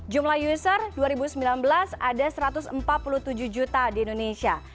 jumlah user dua ribu sembilan belas ada satu ratus empat puluh tujuh juta di indonesia